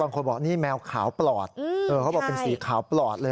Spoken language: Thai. บางคนบอกนี่แมวขาวปลอดเขาบอกเป็นสีขาวปลอดเลย